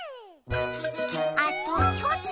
あとちょっと！